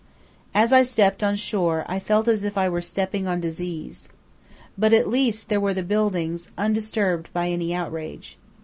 As I stepped on shore I felt as if I were stepping on disease. But at least there were the buildings undisturbed by any outrage.